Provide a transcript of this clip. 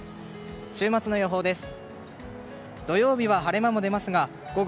週末の予報です。